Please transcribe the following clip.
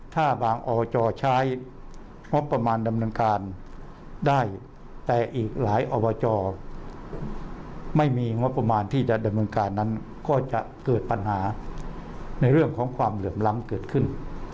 ถ้าบางอจใช้งบประมาณดำเนินการได้แต่อีกหลายอบจไม่มีงบประมาณที่จะดำเนินการนั้นก็จะเกิดปัญหาในเรื่องของความเหลื่อมล้ำเกิดขึ้น